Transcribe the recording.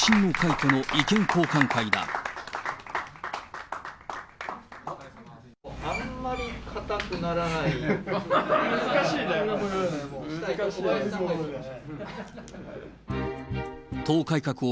あんまり硬くならないように。